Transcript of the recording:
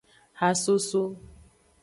Hasoso.